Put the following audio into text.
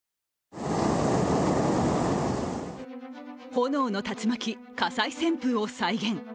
炎の竜巻、火災旋風を再現。